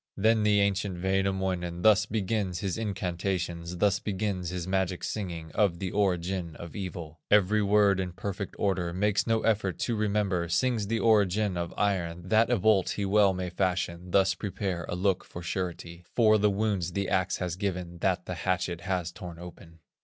Then the ancient Wainamoinen Thus begins his incantations, Thus begins his magic singing, Of the origin of evil; Every word in perfect order, Makes no effort to remember, Sings the origin of iron, That a bolt he well may fashion, Thus prepare a lock for surety, For the wounds the axe has given, That the hatchet has torn open.